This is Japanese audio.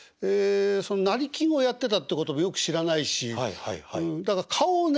その成金をやってたってこともよく知らないしだから顔をね